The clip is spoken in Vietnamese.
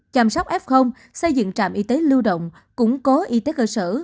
chăm sóc f xây dựng trạm y tế lưu động củng cố y tế cơ sở